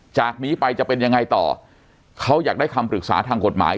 จากนี้ไปจะเป็นยังไงต่อเขาอยากได้คำปรึกษาทางกฎหมาย